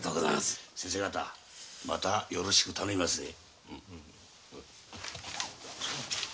先生方またよろしく頼みますぜ。